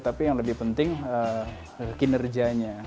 tapi yang lebih penting kinerjanya